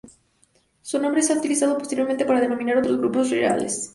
Su nombre se ha utilizado posteriormente para denominar otros grupos reales.